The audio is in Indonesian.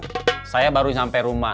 kalo misalnya kita beli ribu kapal rumah